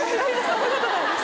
そんなことないです。